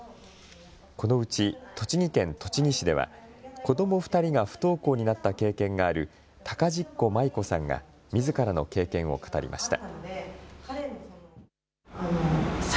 このうち栃木県栃木市では子ども２人が不登校になった経験がある高実子麻衣子さんがみずからの経験を語りました。